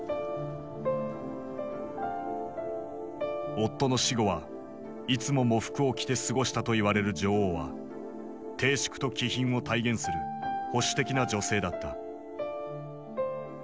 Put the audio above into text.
夫の死後はいつも喪服を着て過ごしたといわれる女王は貞淑と気品を体現する保守的な女性だった。